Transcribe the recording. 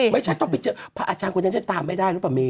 ไม่ใช่ต้องไปเจอพระอาจารย์คนนั้นจะตามไม่ได้หรือเปล่าเมย